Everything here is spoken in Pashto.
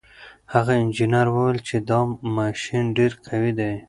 هغه انجنیر وویل چې دا ماشین ډېر قوي دی.